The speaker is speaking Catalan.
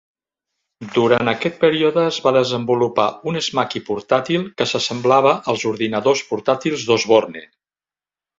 Durant aquest període es va desenvolupar un Smaky portàtil que s'assemblava als ordinadors portàtils d'Osborne.